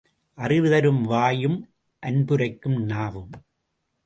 அறிவு தரும் வாயும் அன்பு உரைக்கும் நாவும்.